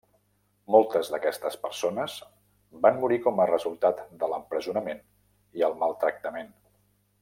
Moltes d'aquestes persones van morir com a resultat de l'empresonament i el maltractament.